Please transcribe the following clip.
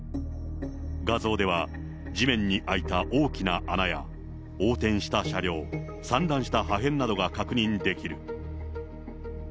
画像では地面に開いた大きな穴や、横転した車両、散乱した破片などが確認できる。